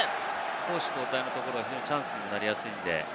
攻守交代のところはチャンスになりやすいので。